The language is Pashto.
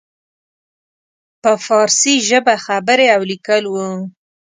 په فارسي ژبه خبرې او لیکل وو.